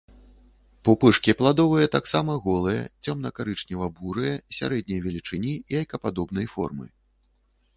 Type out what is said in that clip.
Пупышкі пладовыя таксама голыя, цёмнакарычнева-бурыя, сярэдняй велічыні, яйкападобнай формы.